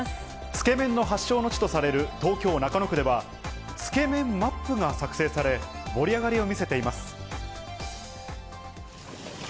つけ麺の発祥の地とされる東京・中野区では、つけ麺マップが作成され、盛り上がりを見せています。